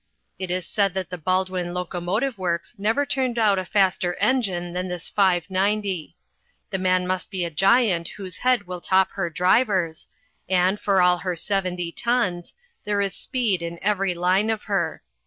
It is said that the Baldwin Locomotive Works never turned out a faster engine than this 590. The man must be a giant whose head will top her drivers, and, for all her seventy tons, there is speed in every line of her.